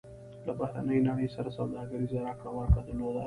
له بهرنۍ نړۍ سره سوداګریزه راکړه ورکړه درلوده.